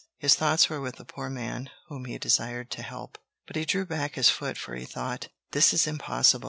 His thoughts were with the poor man, whom he desired to help. But he drew back his foot, for he thought: "This is impossible.